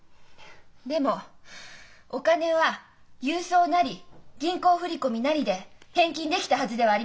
でもお金は郵送なり銀行振り込みなりで返金できたはずではありませんか？